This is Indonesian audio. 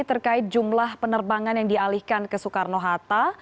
terkait jumlah penerbangan yang dialihkan ke soekarno hatta